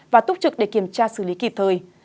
và túc trực để kiểm tra xử lý kịp thời